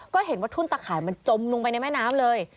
ก็เห็นว่าทุ่นตะข่ายมันจมลงไปในแม่น้ำเลย